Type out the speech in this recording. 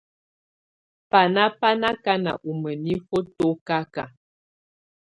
Baná ba na kaná u mənifə tɔ́kaka.